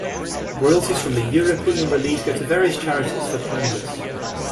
Royalties from the European release go to various charities for the homeless.